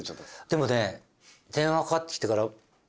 でもね。